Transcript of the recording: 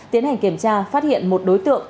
tiến hành kiểm tra phát hiện một đối tượng